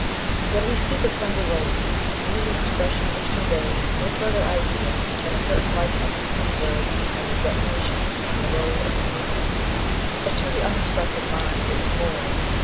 When we speak of thiinder rolling, we use an expression which conveyi no further idea than a certain likeness observed betweemthe detona tions and the roll of a vehicle ; but to the uninstructed mind it was more.